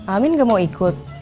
amin gak mau ikut